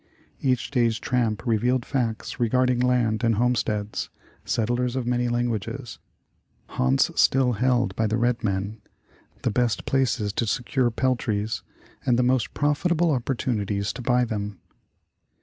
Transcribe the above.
Each day's tramp revealed facts regarding land and 60 The Fur Business homesteads; settlers of many languages; haunts still held by the red men; the best places to secure peltries; and the most profitable opportunities to buy them.